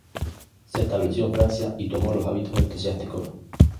Se estableció en Francia y tomó los hábitos eclesiásticos.